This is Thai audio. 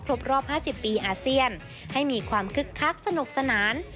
รอบ๕๐ปีอาเซียนให้มีความคึกคักสนุกสนาน